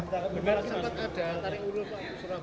tidak ada tarik urur pak